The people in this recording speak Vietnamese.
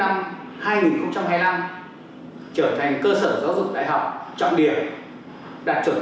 trở thành cơ sở giáo dục đại học trọng điểm đạt chuẩn quốc gia gắn với đặc thù cơ sở đào tạo trong công an nhân dân